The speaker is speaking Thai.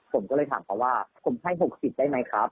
ผมก็เลยถามเขาว่าผมให้๖๐ได้ไหมครับ